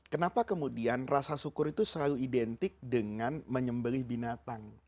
kenapa kemudian rasa syukur itu selalu identik dengan menyembelih binatang